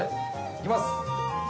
いきます。